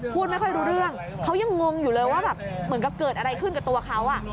พูดไม่ค่อยรู้เรื่องเขายังงงอยู่เลยว่าแบบเหมือนกับเกิดอะไรขึ้นกับตัวเขา